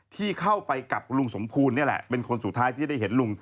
ที่เข้าไปกับลุงสมภูลนี่แหละเป็นคนสุดท้ายที่ได้เห็นลุง